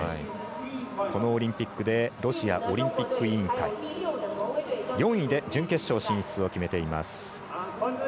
このオリンピックでロシアオリンピック委員会４位で準決勝進出を決めています。